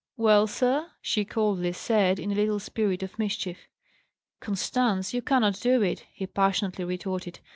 "Well, sir?" she coldly said, in a little spirit of mischief. "Constance, you cannot do it," he passionately retorted.